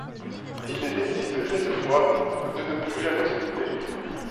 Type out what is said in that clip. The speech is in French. Ils décident cette fois de ne plus jamais se quitter…